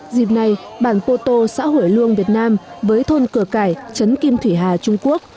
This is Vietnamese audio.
dịp này bản poto xã hủy luông việt nam với thôn cửa cải trấn kim thủy hà trung quốc